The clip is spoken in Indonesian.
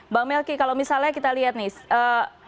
bang melki kalau misalnya kita lihat nih